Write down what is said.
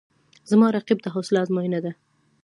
رقیب زما د حوصله آزموینه ده